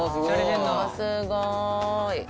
すごーい。